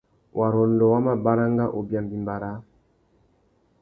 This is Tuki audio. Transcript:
Warrôndô wá mà baranga ubia mbîmbà râā.